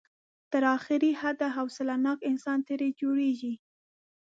تر اخري حده حوصله ناک انسان ترې جوړېږي.